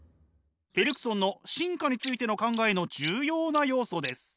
ベルクソンの進化についての考えの重要な要素です。